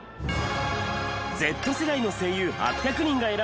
Ｚ世代の声優８００人が選ぶ！